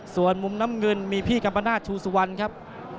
ส่วนมุมน้ำเงินมีพี่กัปนาทต์ชูซวัลครับ